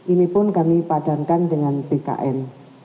ini pun kami padankan dengan bkn